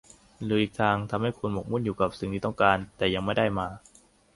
หรืออีกทางทำให้คุณหมกมุ่นอยู่กับสิ่งที่ต้องการแต่ยังไม่ได้มา